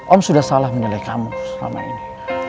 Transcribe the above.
on sudah salah menilai kamu selama ini